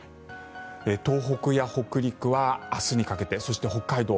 東北や北陸は明日にかけてそして北海道